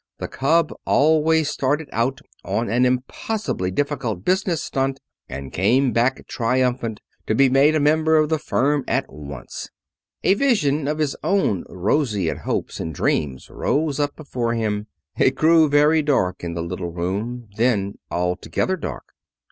The cub always started out on an impossibly difficult business stunt and came back triumphant, to be made a member of the firm at once. A vision of his own roseate hopes and dreams rose up before him. It grew very dark in the little room, then altogether dark.